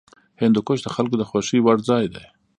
هندوکش د خلکو د خوښې وړ ځای دی.